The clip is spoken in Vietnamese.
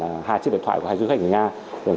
hai chiếc điện thoại của hai du khách người nga